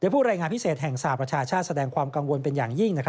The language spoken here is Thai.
ผู้รายงานพิเศษแห่งสหประชาชาติแสดงความกังวลเป็นอย่างยิ่ง